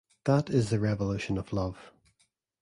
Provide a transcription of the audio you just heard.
That is the revolution of love.